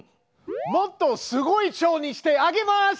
もっとすごいチョウにしてあげます！